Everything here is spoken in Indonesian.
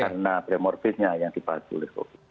karena premorbidnya yang dipakai oleh covid